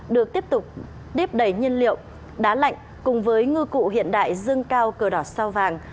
được tiếp tục nếp đầy nhiên liệu đá lạnh cùng với ngư cụ hiện đại dương cao cờ đỏ sao vàng